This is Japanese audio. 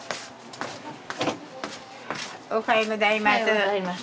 おはようございます。